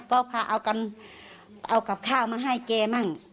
ก็พาเอากันเอากับข้าวมาให้แกมั่ง